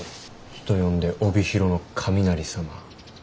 人呼んで帯広の雷様。